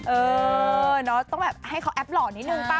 เออเนอะต้องแบบให้เขาแอปหล่อนิดนึงป่ะ